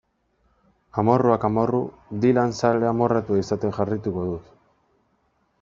Amorruak amorru, Dylan zale amorratua izaten jarraituko dut.